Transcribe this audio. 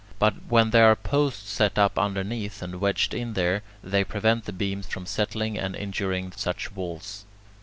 But when there are posts set up underneath and wedged in there, they prevent the beams from settling and injuring such walls.